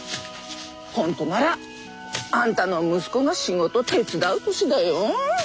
本当ならあんたの息子が仕事手伝う年だよ。